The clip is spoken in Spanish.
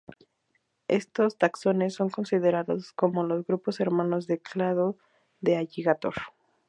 Estos taxones son considerados como los grupos hermanos del clado de "Alligator".